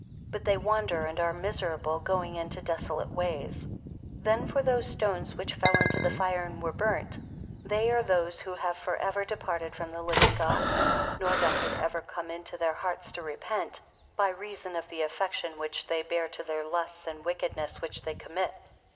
But they wander and are miserable, going into desolate ways. 74 Then for those stones which fell into the fire and were burnt, they are those who have for ever departed from the living God; nor doth it ever come into their hearts to repent, by reason of the affection which they bear to their lusts and wickedness which they commit.